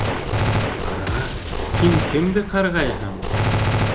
— Ҡарға, һин кемде ҡарғайһың?